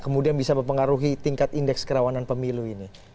kemudian bisa mempengaruhi tingkat indeks kerawanan pemilu ini